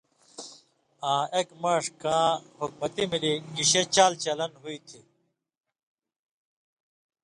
آں ایک ماݜ کاں حُکمتی مِلیۡ گِشے چال چلن ہو تھی،